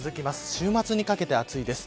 週末にかけて暑いです。